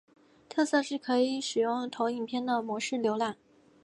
特色是可以使用投影片的模式浏览。